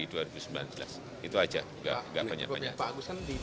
itu aja nggak banyak banyak